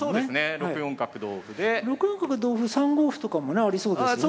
６四角同歩３五歩とかもねありそうですよね。